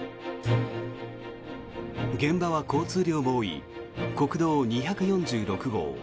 現場は交通量も多い国道２４６号。